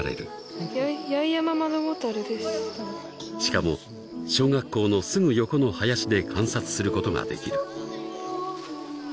［しかも小学校のすぐ横の林で観察することができる］